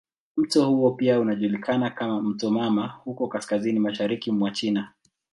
Mto huo pia unajulikana kama "mto mama" huko kaskazini mashariki mwa China.